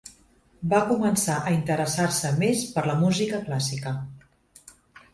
Va començar a interessar-se més per la música clàssica.